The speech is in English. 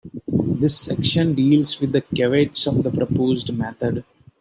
This section deals with the caveats of the proposed method.